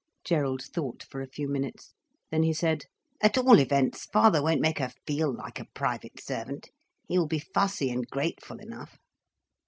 Gerald thought for a few minutes. Then he said: "At all events, father won't make her feel like a private servant. He will be fussy and greatful enough."